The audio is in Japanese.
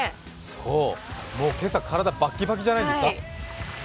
そう、もう今朝、体、バッキバキじゃないですか？